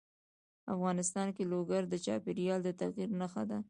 افغانستان کې لوگر د چاپېریال د تغیر نښه ده.